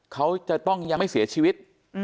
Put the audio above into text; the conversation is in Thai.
เขาจะต้องยังไม่เสียชีวิต